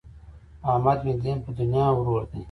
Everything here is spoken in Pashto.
احمد مې دین په دنیا ورور دی.